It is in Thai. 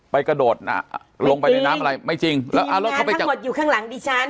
ไปกระโดดน่ะลงไปในน้ำอะไรไม่จริงแล้วแล้วเขาไปทีมงานทั้งหมดอยู่ข้างหลังดิฉัน